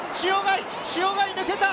塩貝抜けた！